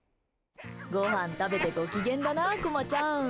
ごはん食べてご機嫌だなあ、こまちゃん。